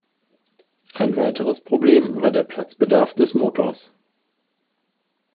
Ein weiteres Problem war der Platzbedarf des Motors.